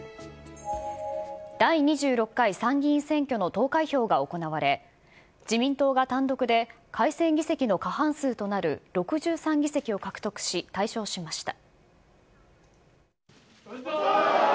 第２６回参議院選挙の投開票が行われ、自民党が単独で改選議席の過半数となる６３議席を獲得し、大勝しました。